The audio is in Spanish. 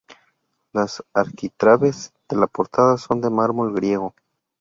Los arquitrabes de la portada son de mármol griego.